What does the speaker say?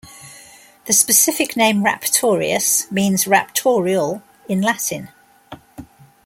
The specific name "raptorius" means "raptorial" in Latin.